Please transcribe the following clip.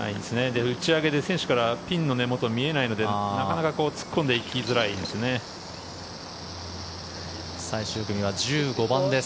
打ち上げで選手からピンの根元見えないのでなかなか突っ込んでいきづらいんです。